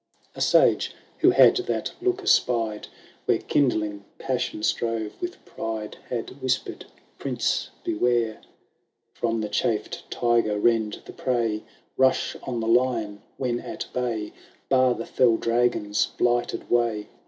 A sage, who had that look espied. Where kindling passion strove with pride, Had whispered, ' Prince, beware ! From the chafed tiger rend the prey. Rush on the lion when at bay. Bar the fell dragon'^ blighted way.